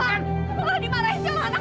bapak jangan dimarahin jalanan lagi sakit